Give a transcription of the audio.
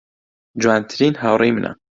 جوانترین هاوڕێی منە.